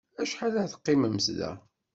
Acḥal ad teqqimemt da?